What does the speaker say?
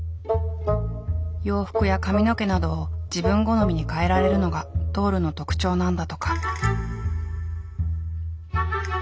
洋服や髪の毛などを自分好みに替えられるのがドールの特徴なんだとか。